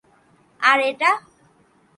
আর এটা?